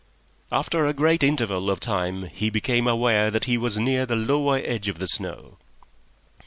. After a great interval of time he became aware that he was near the lower edge of the snow.